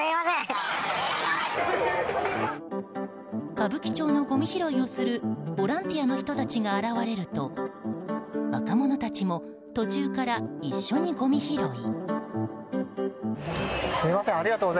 歌舞伎町のごみ拾いをするボランティアの人たちが現れると若者たちも、途中から一緒にごみ拾い。